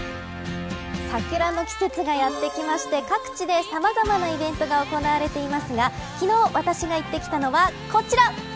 桜の季節がやってきまして各地でさまざまなイベントが行われていますが昨日、私が行ってきたのはこちら。